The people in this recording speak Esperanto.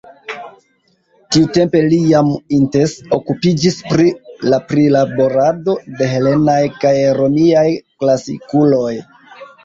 Tiutempe li jam intense okupiĝis pri la prilaborado de helenaj kaj romiaj klasikuloj.